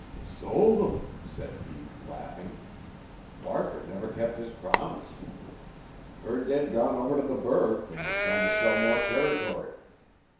'Sold 'em,' said he, laughing. 'Barker never kep' his promise. Heard they'd gone over t' the 'Burg an' was tryin' t' sell more territory.